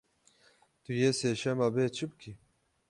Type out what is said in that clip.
Tu yê sêşema bê çi bikî?